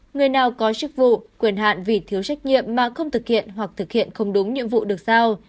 người nào có chức vụ quyền hạn vì thiếu trách nhiệm mà không thực hiện hoặc thực hiện không đúng nhiệm vụ được sao